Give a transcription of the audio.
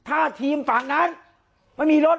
การแก้เคล็ดบางอย่างแค่นั้นเอง